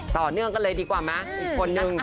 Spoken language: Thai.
ต่อเนื่องกันเลยดีกว่าไหมอีกคนนึง